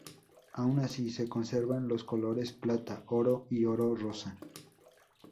Aun así, se conservan los colores plata, oro y oro rosa.